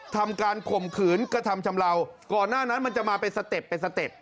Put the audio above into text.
ทำการข่มขืนกระทำชำเลาก่อนหน้านั้นมันจะมาเป็นสเต็ปเป็นสเต็ป